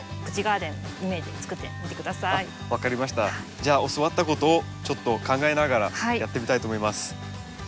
じゃあ教わったことをちょっと考えながらやってみたいと思います。